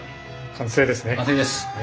完成ですね。